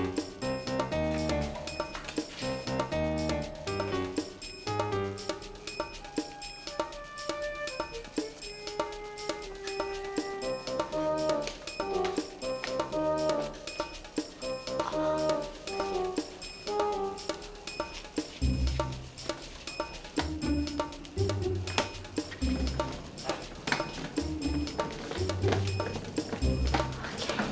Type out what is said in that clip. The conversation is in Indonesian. jangan hubungi siapa siapa